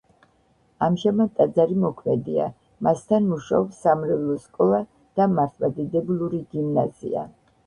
ამჟამად ტაძარი მოქმედია, მასთან მუშაობს სამრევლო სკოლა და მართლმადიდებლური გიმნაზია.